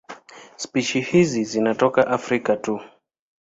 Spishi hizi zinatokea Afrika tu.